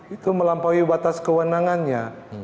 itu melampaui batas kewenangannya